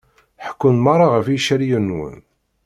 Ḥekkun merra ɣef yicaliyen-nwen.